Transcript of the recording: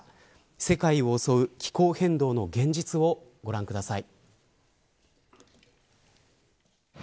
世界を襲う気候変動の現実をご覧ください。